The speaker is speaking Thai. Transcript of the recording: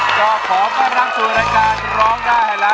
ก็ขอบรรดาศิลปินร้องได้ละ